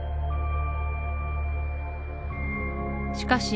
しかし